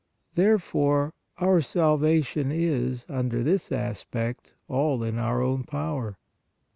Therefore, our salvation is, under this aspect all in our own power.